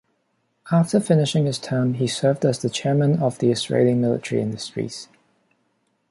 After finishing his term, he served as the Chairman of the Israeli Military Industries.